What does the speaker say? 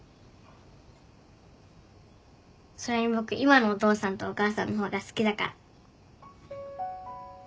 それに僕今のお父さんとお母さんの方が好きだから。